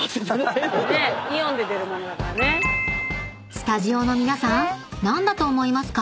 ［スタジオの皆さん何だと思いますか？］